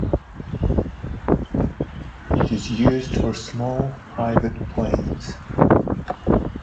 It is used for small, private planes.